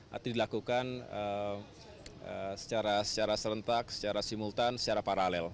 nanti dilakukan secara serentak secara simultan secara paralel